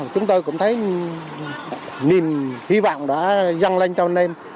chúng tôi cũng thấy niềm hy vọng đã dăng lên cho anh em